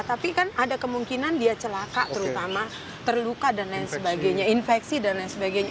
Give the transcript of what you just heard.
tapi kan ada kemungkinan dia celaka terutama terluka dan lain sebagainya infeksi dan lain sebagainya